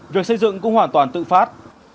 việc xây dựng cũng hoàn toàn tự phát